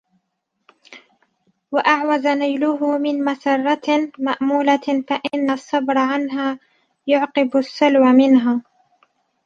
وَأَعْوَزَ نَيْلُهُ مِنْ مَسَرَّةٍ مَأْمُولَةٍ فَإِنَّ الصَّبْرَ عَنْهَا يُعْقِبُ السَّلْوَ مِنْهَا